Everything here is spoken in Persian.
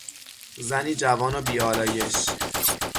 زنی جوان و بیآلایش